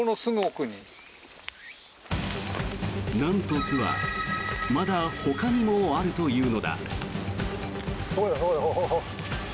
なんと、巣はまだほかにもあるというのだ。